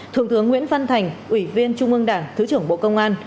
thượng tướng nguyễn văn thành ủy viên trung ương đảng thứ trưởng bộ công an